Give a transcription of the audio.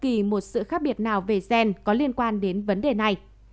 không xác định được bất kỳ một sự khác biệt nào về gen có liên quan đến vấn đề này